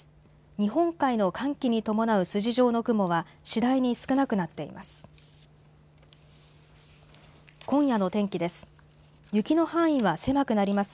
日本海の寒気に伴う筋状の雲は次第に少なくなっています。